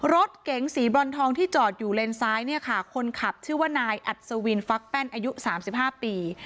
รถเก๋งสีบรอนทองที่จอดอยู่เลนซ้ายเนี่ยค่ะคนขับชื่อว่านายอัศวินฟักแป้นอายุ๓๕ปี